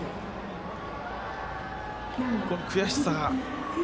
この悔しさが。